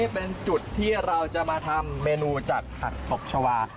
เป็นจุดที่เราจะมาทำเมนูจัดผักตบชาวา